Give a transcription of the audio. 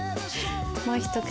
もう一口。